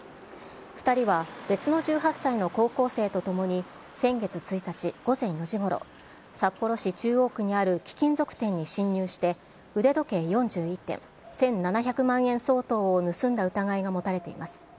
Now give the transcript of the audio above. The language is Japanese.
２人は別の１８歳の高校生とともに、先月１日午前４時ごろ、札幌市中央区にある貴金属店に侵入して、腕時計４１点、１７００万円相当を盗んだ疑いが持たれています。